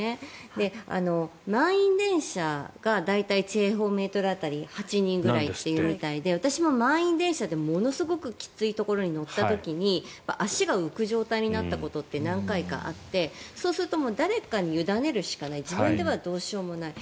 満員電車が大体１平方メートル当たり８人ぐらいで私も満員電車でものすごくきついところに乗った時に足が浮く状態になったことって何回かあってそうすると誰かに委ねるしかない自分ではどうしようもない。